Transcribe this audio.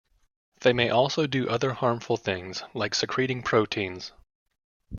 They may also do other harmful things, like secreting proteins.